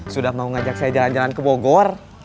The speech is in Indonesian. sudah mau ngajak saya jalan jalan ke bogor